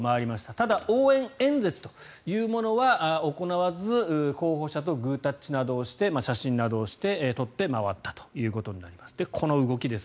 ただ、応援演説というものは行わず候補者とグータッチなどをして写真などを撮って回ったということになっています。